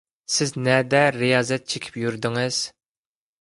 سىز نەدە رىيازەت چېكىپ يۈردىڭىز؟